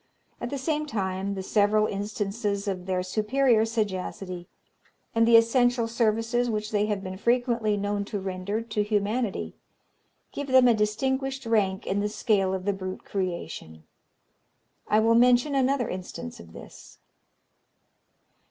At the same time, the several instances of their superior sagacity, and the essential services which they have been frequently known to render to humanity, give them a distinguished rank in the scale of the brute creation. I will mention another instance of this.